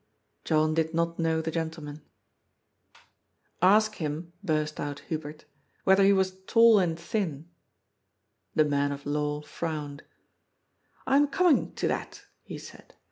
John did not know the gentleman. KOOPSTAD CACKLES. 433 " Ask him," burst out Hubert, " whether he was tall and thin." The man of law frowned. " I am coming to that," he said.